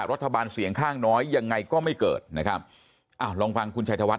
รัฐบาลเสียงข้างน้อยยังไงก็ไม่เกิดนะครับอ้าวลองฟังคุณชัยธวัฒ